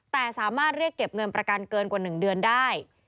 แต่สามารถเรียกเก็บเงินประกันเกินกว่า๑เดือนได้